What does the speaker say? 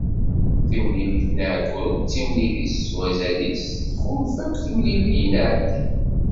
Timlilit n Yiɛekkuren d timlilit s wazal-is, txulef akk timliliyin iɛeddan.